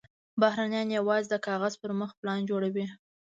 بهرنیان یوازې د کاغذ پر مخ پلان جوړوي.